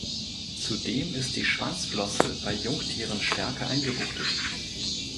Zudem ist die Schwanzflosse bei Jungtieren stärker eingebuchtet.